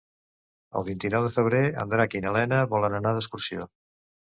El vint-i-nou de febrer en Drac i na Lena volen anar d'excursió.